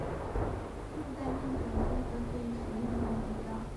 用在面团中则可以使面团膨胀。